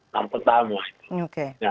yang pertama itu